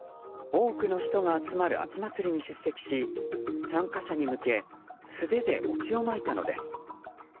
多くの人が集まる秋祭りに出席し参加者に向け素手で餅をまいたのです。